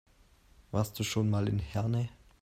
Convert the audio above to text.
Warst du schon mal in Herne?